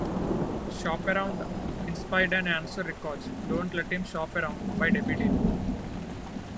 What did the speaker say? "Shop Around" inspired an answer record, "Don't Let Him Shop Around" by Debbie Dean.